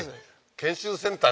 研修センター？